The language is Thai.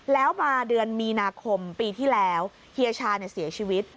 แล้วมาเดือนมีนาคมปีที่แล้วเฮียชาเสียชีวิต